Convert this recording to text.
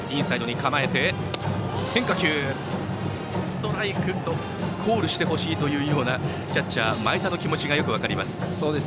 ストライクとコールしてほしいというようなキャッチャー、前田の気持ちがよく分かります。